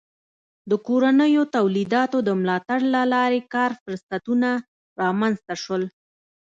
د کورنیو تولیداتو د ملاتړ له لارې کار فرصتونه رامنځته شول.